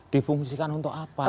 dipungsikan untuk apa ini